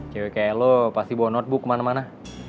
cewek kayak lu pasti bawa notebook kemana mana